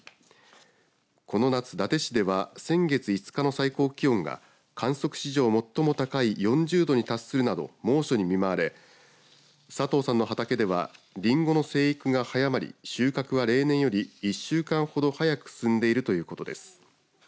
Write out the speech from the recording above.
この夏、伊達市では先月５日の最高気温が観測史上最も高い４０度に達するなど猛暑に見舞われ佐藤さんの畑ではりんごの生育が早まり収穫は例年より１週間ほど早く進んでいるということです。